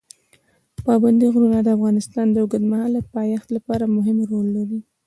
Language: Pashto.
پابندی غرونه د افغانستان د اوږدمهاله پایښت لپاره مهم رول لري.